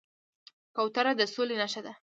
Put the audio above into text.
کوتره د سولې نښه ده.